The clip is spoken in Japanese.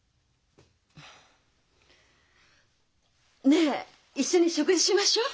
ねえ一緒に食事しましょう？